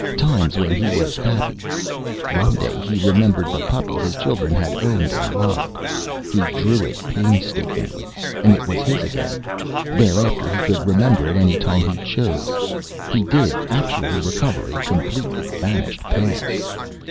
Times when he was happy. One day he remembered the puppy his children had owned and loved. He drew it painstakingly and it was his again. Thereafter he could remember it any time he chose. He did actually recover a completely vanished past.